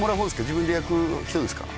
自分で焼く人ですか？